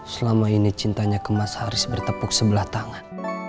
selama ini cintanya ke mas haris bertepuk sebelah tangan